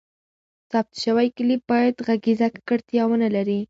ثبت شوی کلیپ باید ږغیزه ککړتیا ونه لري.